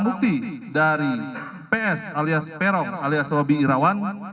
yaitu satu unit handphone merek samsung warna hitam milik ps alias perong alias wabi irawan